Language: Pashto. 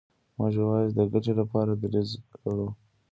موږ یوازې د ګټې لپاره دریځ لرو.